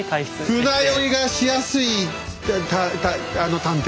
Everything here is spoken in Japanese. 船酔いがしやすい探偵。